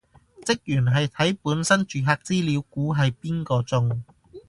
職員係睇本身住戶資料估係邊個中